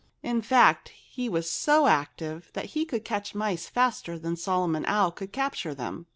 In fact, he was so active that he could catch mice faster than Solomon Owl could capture them.